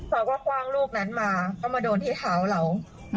เพราะว่ากว้างลูกนั้นมาก็มาโดนที่เท้าเรา